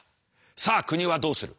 さあ国はどうする。